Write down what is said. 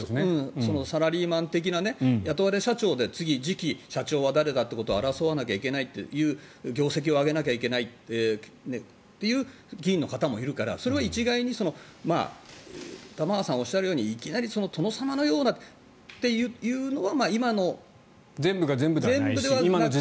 サラリーマン的な雇われ社長で次期社長は誰だってことを争わなきゃいけない業績を上げなきゃいけないという議員の方もいるからそれは一概に玉川さんがおっしゃるようにいきなり殿様のようだというのは全部が全部ではないし。